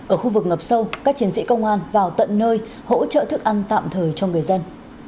ở khu vực ngập sâu các chiến sĩ công an vào tận nơi hỗ trợ thức ăn tạm thời cho người dân